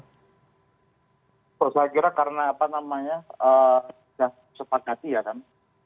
saya kira karena apa namanya sudah sepakati ya kan